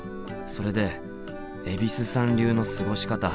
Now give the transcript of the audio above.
それで蛭子さん流の過ごし方